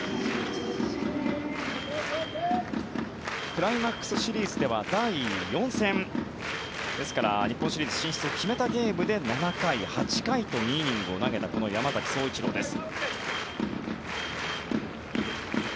クライマックスシリーズでは第４戦ですから日本シリーズ進出を決めたゲームで７回、８回と２イニングを投げた山崎颯一郎です。